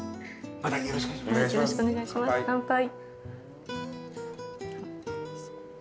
よろしくお願いします乾杯。